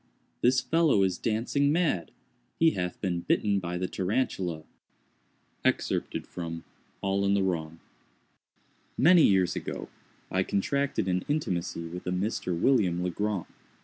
this fellow is dancing mad! He hath been bitten by the Tarantula. —All in the Wrong. Many years ago, I contracted an intimacy with a Mr. William Legrand.